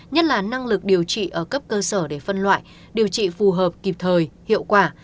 nhất là năng lực điều trị ở cấp cơ sở để phân loại điều trị phù hợp kịp thời hiệu quả